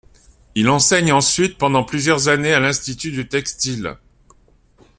Il enseigne ensuite pendant plusieurs années à l'institut du textile.